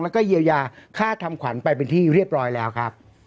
แล้วก็เยียวยาค่าทำขวัญไปเป็นที่เรียบร้อยแล้วครับ